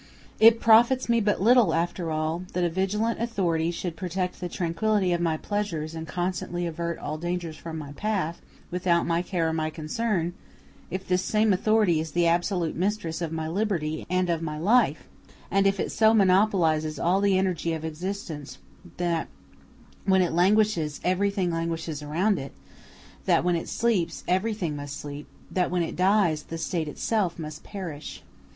It profits me but little, after all, that a vigilant authority should protect the tranquillity of my pleasures and constantly avert all dangers from my path, without my care or my concern, if this same authority is the absolute mistress of my liberty and of my life, and if it so monopolizes all the energy of existence that when it languishes everything languishes around it, that when it sleeps everything must sleep, that when it dies the State itself must perish.